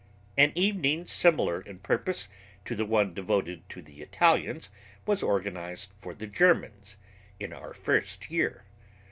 An evening similar in purpose to the one devoted to the Italians was organized for the Germans, in our first year.